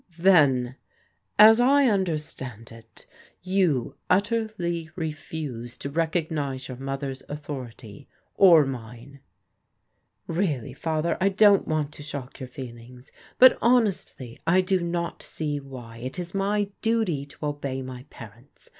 " Then, as I understand it, you utterly refuse to recog nize your mother's authority, or mine ?"" Really, Father, I don't want to shock your feelings; but honestly I do not see why it is my duty to obey my parents.